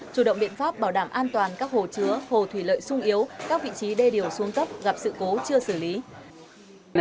chủ động biện pháp bảo đảm an toàn các hồ chứa hồ thủy lợi sung yếu các vị trí đê điều xuống cấp gặp sự cố chưa xử lý